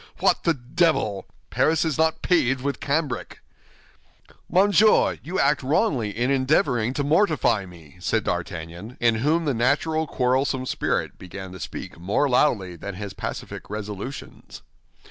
What the devil! Paris is not paved with cambric!" "Monsieur, you act wrongly in endeavoring to mortify me," said D'Artagnan, in whom the natural quarrelsome spirit began to speak more loudly than his pacific resolutions.